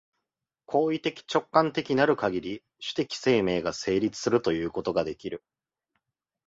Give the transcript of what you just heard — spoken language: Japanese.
行為的直観的なるかぎり、種的生命が成立するということができる。